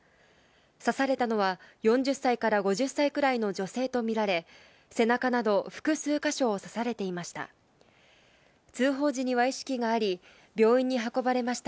刺されたのは４０歳から５０歳ぐらいの女性とみられ、背中など複数か所を刺されていました。